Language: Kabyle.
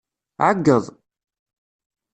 Ɛeggeḍ.